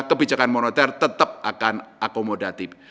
kebijakan moneter tetap akan akomodatif